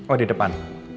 oh di depan